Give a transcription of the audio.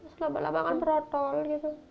selama lamakan berotol gitu